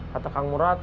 kata kang murad